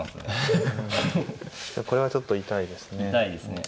これはちょっと痛いですね。